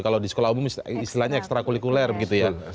kalau di sekolah umum istilahnya ekstra kulikuler begitu ya